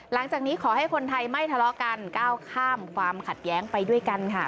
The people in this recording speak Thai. หลังจากนี้ขอให้คนไทยไม่ทะเลาะกันก้าวข้ามความขัดแย้งไปด้วยกันค่ะ